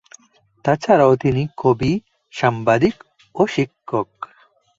তাছাড়াও তিনি কবি, সাংবাদিক ও শিক্ষক।